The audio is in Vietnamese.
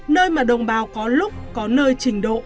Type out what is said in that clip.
nơi mà đồng bào có lúc có nơi trình độ